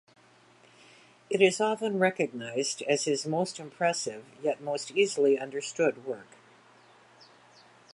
It is often recognized as his most impressive yet most easily understood work.